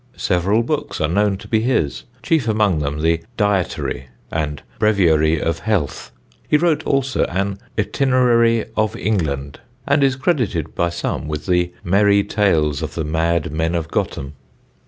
Several books are known to be his, chief among them the Dyetary and Brevyary of Health. He wrote also an Itinerary of England and is credited by some with the Merrie Tales of the Mad Men of Gotham.